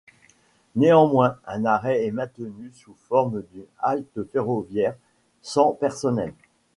Néanmoins un arrêt est maintenu sous forme d'une halte ferroviaire sans personnel.